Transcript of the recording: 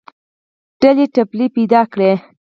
ډلې ټپلې پیدا کړې